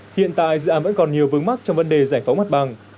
hiện tại dự án vẫn còn nhiều vướng mắt trong vấn đề giải phóng mặt bằng